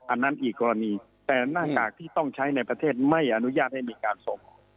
อันนั้นอีกกรณีแต่หน้ากากที่ต้องใช้ในประเทศไม่อนุญาตให้มีการส่ง